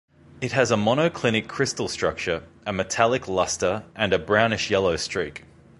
It has a monoclinic crystal structure, a metallic luster and a brownish yellow streak.